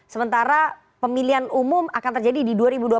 sementara pemilihan umum akan terjadi di dua ribu dua puluh